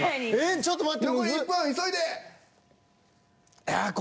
ちょっと待って。